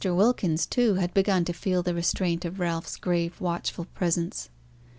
Wilkins, too, had begun to feel the restraint of Ralph's grave watchful presence.